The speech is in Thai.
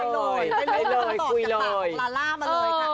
คุยเลยคุยเลย